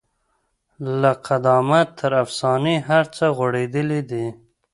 له قدامت تر افسانې هر څه غوړېدلي دي.